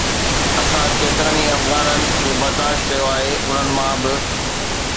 اسان ڪيترن ئي افغانن کي برداشت ڪيو آهي، انهن مان به